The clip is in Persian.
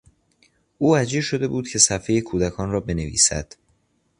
او اجیر شده بود که صفحهی کودکان را بنویسد.